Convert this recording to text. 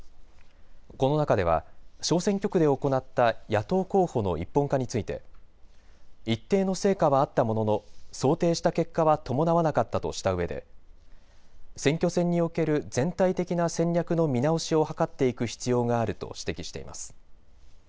この中では小選挙区で行った野党候補の一本化について一定の成果はあったものの想定した結果は伴わなかったとしたうえで選挙戦における全体的な戦略の見直しを図っていく必要があると指摘しています。